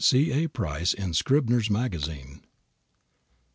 C. A. PRICE in Scribner's Magazine.